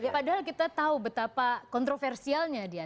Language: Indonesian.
padahal kita tahu betapa kontroversialnya dia